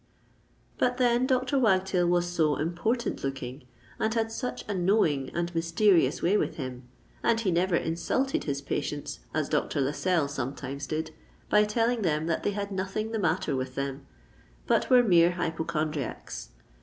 But then Dr. Wagtail was so important looking, and had such a knowing and mysterious way with him;—and he never insulted his patients, as Dr. Lascelles sometimes did, by telling them that they had nothing the matter with them, but were mere hypochondriacs.